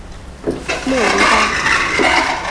勒维巴。